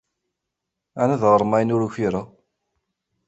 Ɛni ad ɣermeɣ ayen ur ukwireɣ?